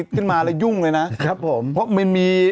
กันมาแล้วยุ่งเลยนะเพราะมันมี